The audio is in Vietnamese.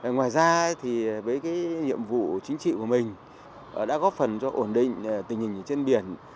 ngoài ra thì với nhiệm vụ chính trị của mình đã góp phần cho ổn định tình hình trên biển